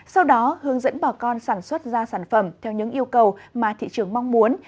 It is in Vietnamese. sau đó hướng dẫn bà con sản xuất ra sản phẩm theo những yêu cầu mà thị trường mong muốn